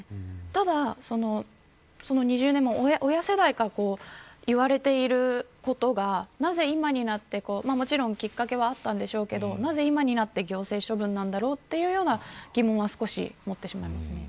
ただ、親世代から言われていることがなぜ今になってもちろん、きっかけはあったんでしょうけどなぜ今になって行政処分なんだろうという疑問は持ってしまいますね。